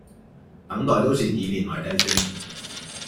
等待都是以年來計算